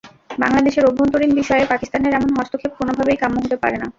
বাংলাদেশের অভ্যন্তরীণ বিষয়ে পাকিস্তানের এমন হস্তক্ষেপ কোনোভাবেই কাম্য হতে পারে না।